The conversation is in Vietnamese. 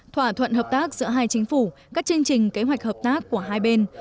thỏa thuận hợp tác giữa hai chính phủ các chương trình kế hoạch hợp tác của hai bên